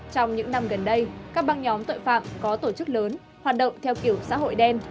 trong những năm gần đây các băng nhóm tội phạm có tổ chức lớn hoạt động theo kiểu xã hội đen